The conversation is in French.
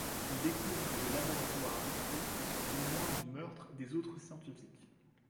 Ils découvrent le laboratoire détruit et sont témoins du meurtre des autres scientifiques.